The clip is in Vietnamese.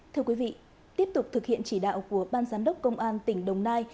thưa quý vị tiếp tục thực hiện chỉ đạo của ban giám đốc công an tỉnh đồng nai